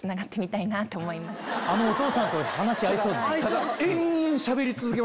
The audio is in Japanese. あのお父さんと話合いそう。